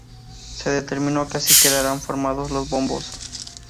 Se determinó que así quedaran formados los bombos.